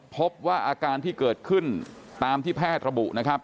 พบว่าอาการที่เกิดขึ้นตามที่แพทย์ระบุนะครับ